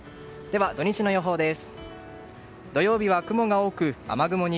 土日の予報です。